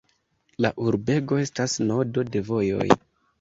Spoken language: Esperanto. La urbego estas nodo de vojoj.